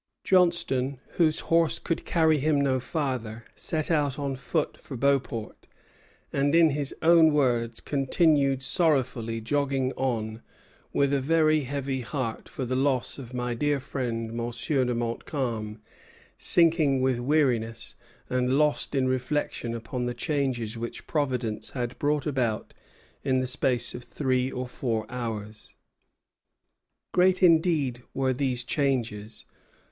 Johnstone, whose horse could carry him no farther, set out on foot for Beauport, and, in his own words, "continued sorrowfully jogging on, with a very heavy heart for the loss of my dear friend M. de Montcalm, sinking with weariness, and lost in reflection upon the changes which Providence had brought about in the space of three or four hours." Great indeed were these changes.